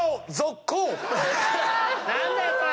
何だよそれ！